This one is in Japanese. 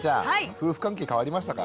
夫婦関係変わりましたか？